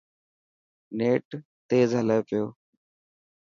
نيٽ تيز هلي پيو.